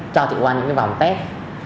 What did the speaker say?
cho chị qua những cái vòng test